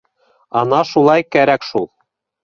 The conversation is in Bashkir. — Ана шулай кәрәк шул!